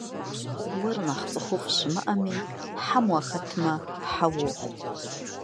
Уэр нэхъ цӏыхуфӏ щымыӏэми - хьэм уахэтмэ, хьэ уохъу.